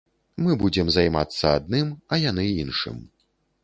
Мы будзем займацца адным, а яны іншым.